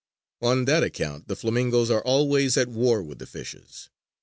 On that account, the flamingoes are always at war with the fishes.